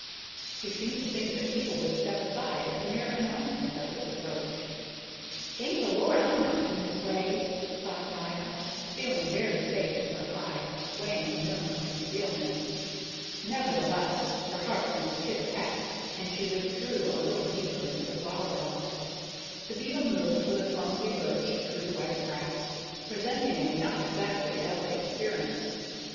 He seemed to think that people should step aside at the mere announcement of his approach. "Thank the Lord I'm not in his way," thought Maya, feeling very safe in her high, swaying nook of concealment. Nevertheless her heart went pit a pat, and she withdrew a little deeper into the flower bell. The beetle moved with a clumsy lurch through the wet grass, presenting a not exactly elegant appearance.